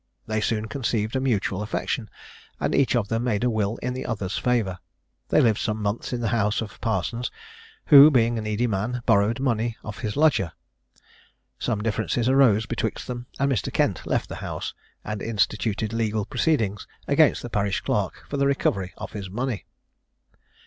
They soon conceived a mutual affection, and each of them made a will in the other's favour. They lived some months in the house of Parsons, who, being a needy man, borrowed money of his lodger. Some differences arose betwixt them, and Mr. Kent left the house, and instituted legal proceedings against the parish clerk for the recovery of his money.